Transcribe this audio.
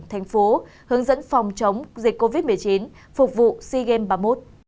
thành phố hướng dẫn phòng chống dịch covid một mươi chín phục vụ sea games ba mươi một